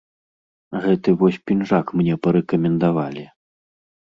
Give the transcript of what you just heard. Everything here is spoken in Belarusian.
Гэты вось пінжак мне парэкамендавалі.